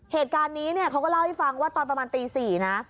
เหตุการณ์นี้เนี่ยเขาก็เล่าให้ฟังว่าตอนประมาณตี๔นะ